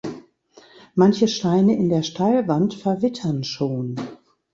Manche Steine in der Steilwand verwittern schon.